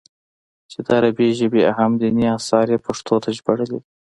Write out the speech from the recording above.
چې د عربي ژبې اهم ديني اثار ئې پښتو ته ژباړلي دي